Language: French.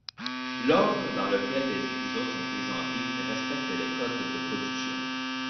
L'ordre dans lequel les épisodes sont présentés, respecte les codes de production.